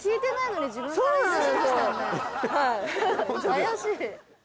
怪しい。